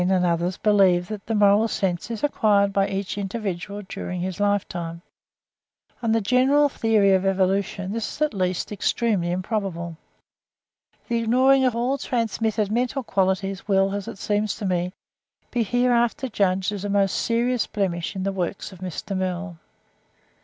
481) and others believe that the moral sense is acquired by each individual during his lifetime. On the general theory of evolution this is at least extremely improbable. The ignoring of all transmitted mental qualities will, as it seems to me, be hereafter judged as a most serious blemish in the works of Mr. Mill.)